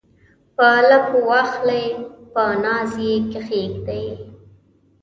په لپو واخلي په ناز یې کښیږدي